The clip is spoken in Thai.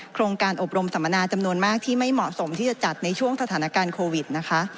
โครงการอบรมสัมมนาจำนวนมากที่ไม่เหมาะสมที่จะจัดในช่วงสถานการณ์โควิดนะคะ